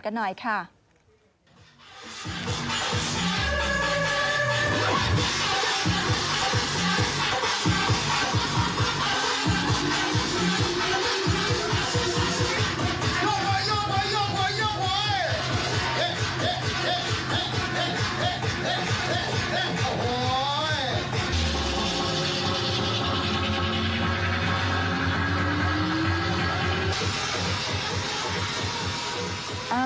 เฮ่โย่งไว้